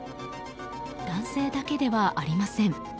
男性だけではありません。